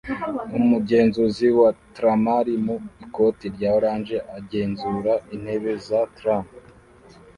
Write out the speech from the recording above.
Umugenzuzi wa tramari mu ikoti rya orange agenzura intebe za tram